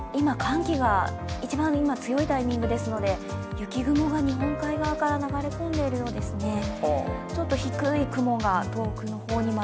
寒気が今一番強いタイミングですので雪雲が日本海側から流れ込んでいますね。